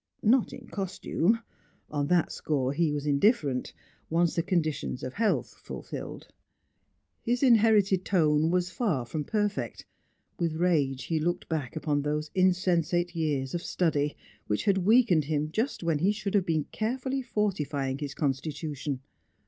Not in costume; on that score he was indifferent, once the conditions of health fulfilled. His inherited tone was far from perfect; with rage he looked back upon those insensate years of study, which had weakened him just when he should have been carefully fortifying his constitution.